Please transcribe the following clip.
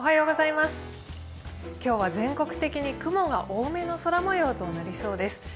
今日は全国的に雲が多めの空もようとなりそうです。